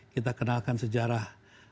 kita kenalkan sejarah